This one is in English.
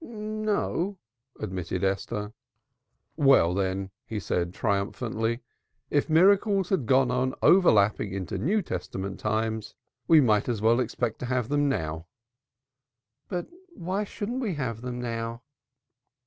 "No," admitted Esther. "Well, then," he said triumphantly, "if miracles had gone overlapping into New Testament times we might just as well expect to have them now." "But why shouldn't we have them now?"